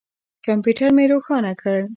کمپیوټر مې روښانه کړ.